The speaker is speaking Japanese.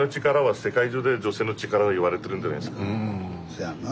せやな。